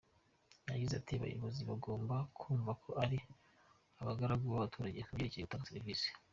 Yagize ati “Abayobozi bagomba kumva ko ari abagaragu b’abaturage mu byerekeye gutanga Serivisi.